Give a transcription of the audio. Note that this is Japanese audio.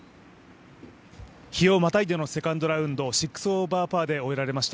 日をまたいでのセカンドラウンド６オーバーパーで終わられました